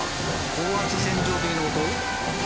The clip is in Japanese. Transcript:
高圧洗浄系の音？